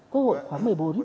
quốc hội khóa một mươi bốn